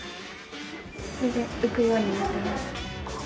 これで浮くようになっています。